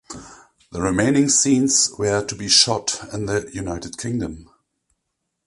The remaining scenes were to be shot in the United Kingdom.